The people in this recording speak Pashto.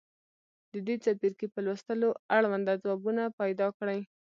د دې څپرکي په لوستلو اړونده ځوابونه پیداکړئ.